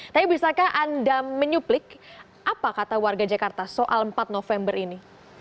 tapi bisakah anda menyuplik apa kata warga jakarta soal empat november ini